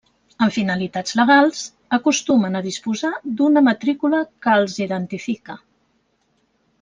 Amb finalitats legals, acostumen a disposar d'una matrícula que els identifica.